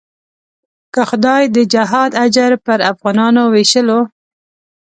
که خدای د جهاد اجر پر افغانانو وېشلو.